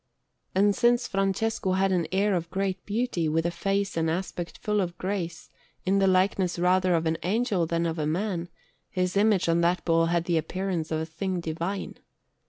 And since Francesco had an air of great beauty, with a face and aspect full of grace, in the likeness rather of an angel than of a man, his image on that ball had the appearance of a thing divine.